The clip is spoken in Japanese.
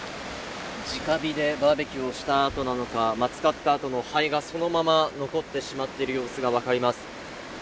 直火でバーベキューをした後なのか、使った後の灰がそのまま残ってしまっている様子がわかります。